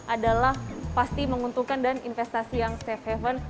adalah pasti menguntungkan dan investasi yang safe haven